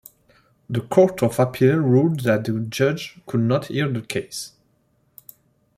The Court of Appeal ruled that the judge could not hear the case.